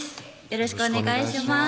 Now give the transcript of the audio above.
よろしくお願いします